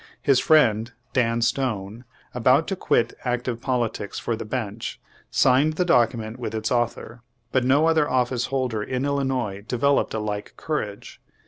His friend, Dan Stone, about to quit active politics for the bench, signed the document with its author, but no other office holder in Illinois de veloped a like courage.